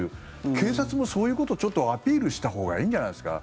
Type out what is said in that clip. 警察もそういうことちょっとアピールしたほうがいいんじゃないですか？